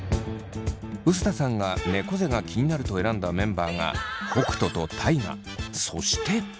碓田さんがねこ背が気になると選んだメンバーが北斗と大我そして。